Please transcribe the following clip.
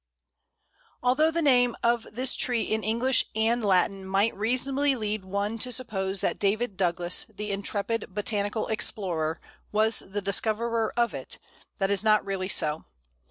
Although the name of this tree in English and Latin might reasonably lead one to suppose that David Douglas, the intrepid botanical explorer, was the discoverer of it, that is not really so.